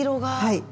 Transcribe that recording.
はい。